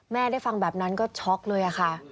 ได้ฟังแบบนั้นก็ช็อกเลยค่ะ